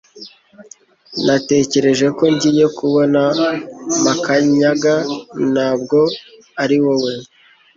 Natekereje ko ngiye kubona Makanyaga ntabwo ari wowe